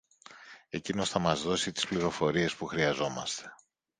Εκείνος θα μας δώσει τις πληροφορίες που χρειαζόμαστε.